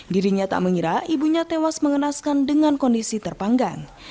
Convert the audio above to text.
dirinya tak mengira ibunya tewas mengenaskan dengan kondisi terpanggang